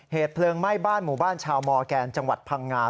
เหตุเพลิงไหม้บ้านหมู่บ้านชาวมอร์แกนจังหวัดพังงา